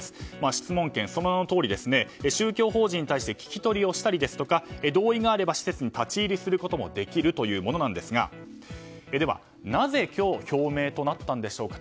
質問権、その名の通り宗教法人に対して聞き取りをしたりですとか同意があれば施設に立ち入ることもできるというものですがでは、なぜ今日表明となったんでしょうか。